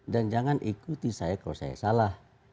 dan jangan ikuti saya kalau saya salah